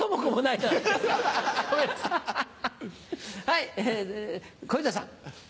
はい小遊三さん。